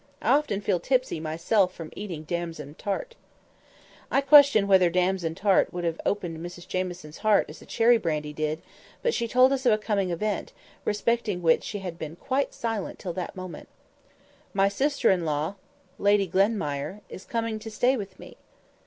I often feel tipsy myself from eating damson tart." I question whether damson tart would have opened Mrs Jamieson's heart as the cherry brandy did; but she told us of a coming event, respecting which she had been quite silent till that moment. "My sister in law, Lady Glenmire, is coming to stay with me."